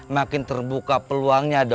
makin terbuka peluangnya